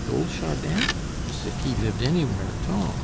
old Chardin? As if he lived anywhere at all!